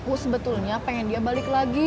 oh sebetulnya pengen dia balik lagi